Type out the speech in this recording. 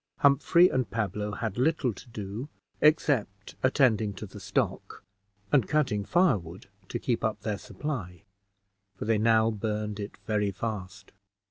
Humphrey and Pablo had little to do except attending to the stock, and cutting firewood to keep up their supply, for they now burned it very fast.